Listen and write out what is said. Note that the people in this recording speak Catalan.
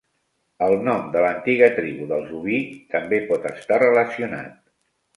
El nom de l'antiga tribu dels Ubii també pot estar relacionat.